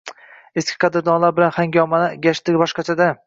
Eski qadrdonlar bilan hangomaning gashti boshqacha-da